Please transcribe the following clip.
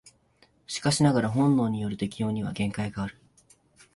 しかしながら本能による適応には限界がある。